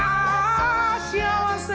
幸せ。